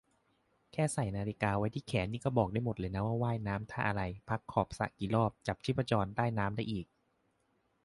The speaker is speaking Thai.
แค่ใส่นาฬิกาไว้ที่แขนนี่บอกได้หมดเลยนะว่าว่ายน้ำท่าอะไร พักขอบสระกี่รอบ จับชีพจรใต้น้ำได้อีก